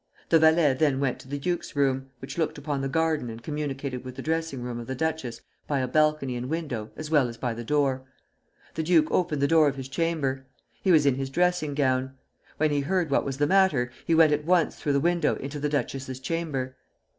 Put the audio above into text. The valet then went to the duke's room, which looked upon the garden and communicated with the dressing room of the duchess by a balcony and window as well as by the door. The duke opened the door of his chamber. He was in his dressing gown. When he heard what was the matter, he went at once through the window into the duchess's chamber.